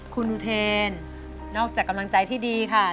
คุณอุเทนนอกจากกำลังใจที่ดีค่ะ